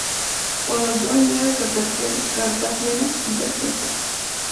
Cuando Joan llega a Cartagena, Jack no está.